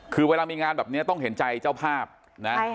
คือเวลามีงานแบบนี้ต้องเห็นใจเจ้าภาพนะ